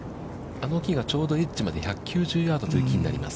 あの木がちょうどエッジまで１９０ヤードの木になります。